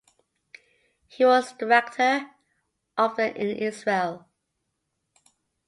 He was the director of the in Israel.